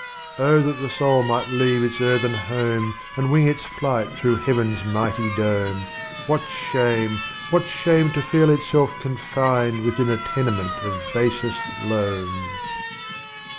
Oh that the Soul might leave ils Earthen Home And wing its Flight through Heaven's Mighty Dome, What Shame, what Shame, to feel itself confined Within a tenement of Basest Loam.